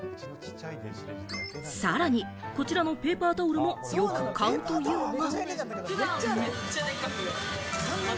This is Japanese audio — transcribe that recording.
さらに、こちらのペーパータオルもよく買うというが。